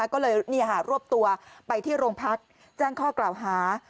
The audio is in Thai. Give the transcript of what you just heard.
ก็เลยรวบตัวไปที่โรงพักแจ้งข้อกล่าวหา